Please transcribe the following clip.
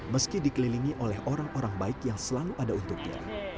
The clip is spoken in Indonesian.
meski dikelilingi oleh orang orang baik yang selalu ada untuknya